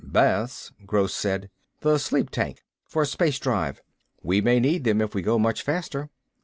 "Baths?" Gross said. "The sleep tanks. For space drive. We may need them if we go much faster."